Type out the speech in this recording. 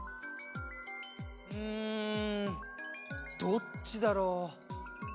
うんどっちだろう？